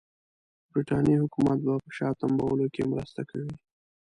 برټانیې حکومت به په شا تمبولو کې مرسته کوي.